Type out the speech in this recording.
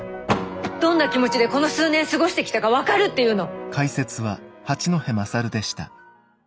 どんな気持ちでこの数年過ごしてきたか分かるっていうの！？